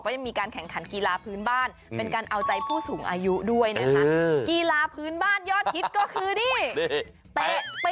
ยังมีการแข่งขันกีฬาพื้นบ้านเป็นการเอาใจผู้สูงอายุด้วยนะคะ